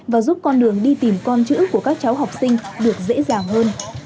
và giúp con đường đi tìm con chữ của các cháu học sinh được dễ dàng hơn